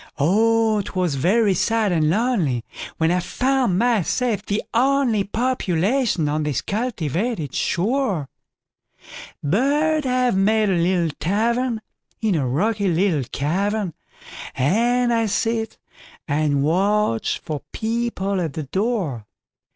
Oh! 'twas very sad and lonelyWhen I found myself the onlyPopulation on this cultivated shore; But I've made a little tavernIn a rocky little cavern, And I sit and watch for people at the door.